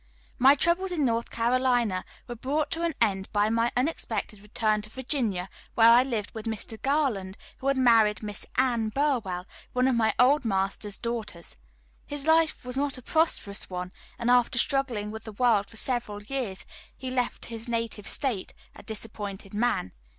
My troubles in North Carolina were brought to an end by my unexpected return to Virginia, where I lived with Mr. Garland, who had married Miss Ann[e] Burwell, one of my old master's daughters. His life was not a prosperous one, and after struggling with the world for several years he left his native State, a disappointed man.